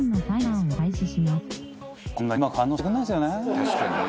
確かにね。